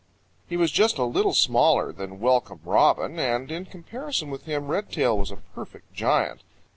He was just a little smaller than Welcome Robin, and in comparison with him Redtail was a perfect giant.